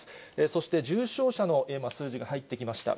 そして、重症者の数字が今、入ってきました。